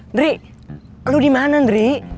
ndri lu dimana ndri